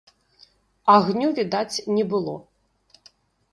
Агню відаць не было.